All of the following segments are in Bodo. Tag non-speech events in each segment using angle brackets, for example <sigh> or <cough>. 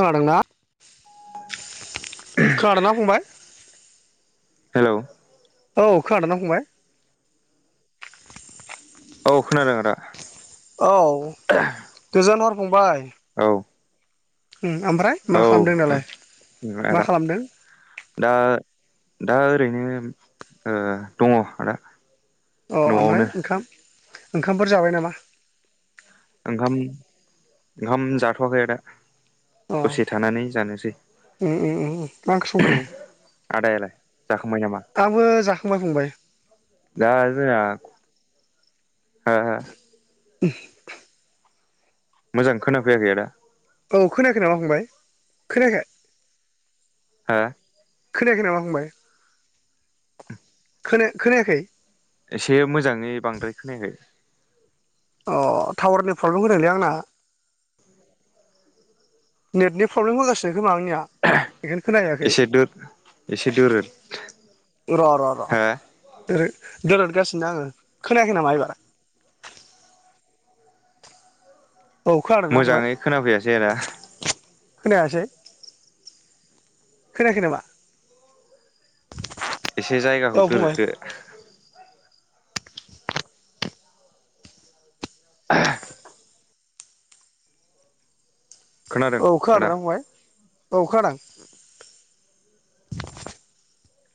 खोनादोंना? खोनादोंना फंबाय? हेल'? औ खोनादोंना फंबाय? औ खोनादों आदा। औ गोजोन हर फंबाय। औ। ओमफ्राय मा औ खालामदों दालाय आदा मा खालामदों? दा दा ओरैनो दङ आदा अ ओमफ्राय न'आवनो ओंखाम ओंखामफोर जाबाय नामा? ओंखाम ओंखाम जाथ'वाखै आदा दसे थानानै जानोसै ओ ओ ओ मा ओंख्रि संखो? आदायालाय जाखांबाय नामा आंबो जाखांबाय फंबाय <unintelligible> <inaudible> मोजां खोनाफैयाखै आदा औ खोनायाखै नामा फंबाय खोनायाखै? हा। खोनायाखै नामा फंबाय खोनायाखै? एसे मोजाङै बांद्राय खोनायाखै अ टावारनि प्रब्लेम होदोंलै आंना। नेटनि प्रब्लेम होगासिनो- खोमा आंनिया बेखायनो खोनाखै एसे दो एसे दोरोद र' र' हा र' दोरदगासिनो औ खोनादोंना फंबाय? मोजाङै खोनाफैयासै आदा खोनायासै खोनायाखै नामा? एसे जायगाखौ औ फंबाय दोरोददो <inaudible> खोनादों औ आदा खोनादोंना फंबाय औ खोनादों?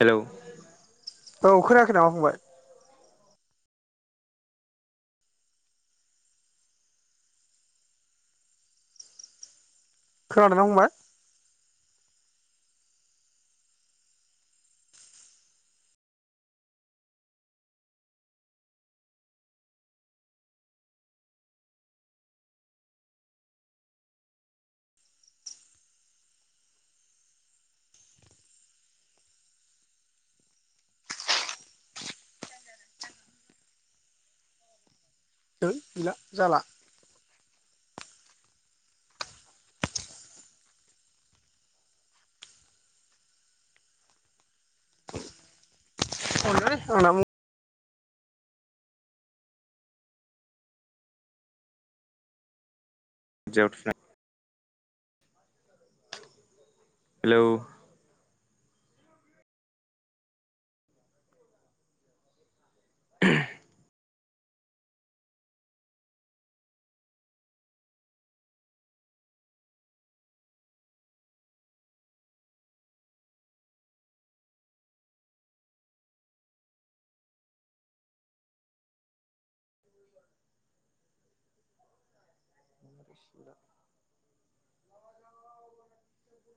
हेल' औ खोनायाखै नामा फंबाय? खोनादोंना फंबाय? थोथ गैला जाला <inaudible> <unintelligible> हेल' <inaudible> <inaudible>